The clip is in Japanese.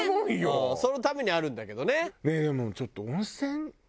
そのためにあるんだけどね。